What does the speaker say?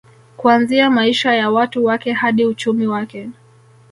Kuanzia maisha ya watu wake hadi uchumi wake